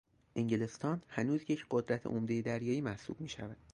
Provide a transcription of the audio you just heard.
انگلستان هنوز یک قدرت عمدهی دریایی محسوب میشود.